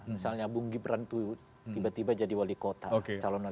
misalnya bu gibran tuh tiba tiba jadi wali kota